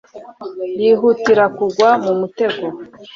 yihutira kugwa mu mutego